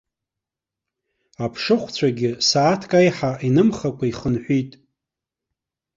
Аԥшыхәцәагьы сааҭк аиҳа инымхакәа ихынҳәит.